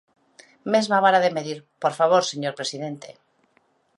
Mesma vara de medir, ¡por favor, señor presidente!